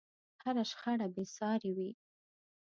هره شخړه بې سارې وي.